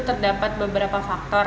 terdapat beberapa faktor